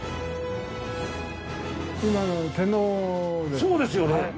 そうですよね。